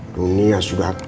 dunia sudah berubah